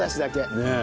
ねえ。